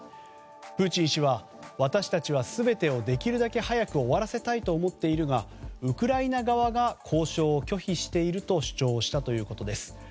プーチン氏は私たちは全てをできるだけ早く終わらせたいと思っているがウクライナ側が交渉を拒否していると主張したということです。